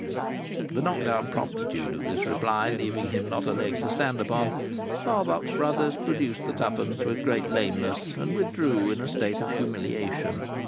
The knock down promptitude of this reply leaving him not a leg to stand upon, Barbox Brothers produced the twopence with great lameness, and withdrew in a state of humiliation.